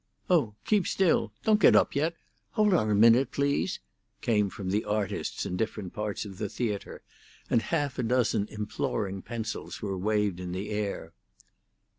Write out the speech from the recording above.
"Oh, keep still!" "Don't get up yet!" "Hold on a minute, please!" came from the artists in different parts of the theatre, and half a dozen imploring pencils were waved in the air.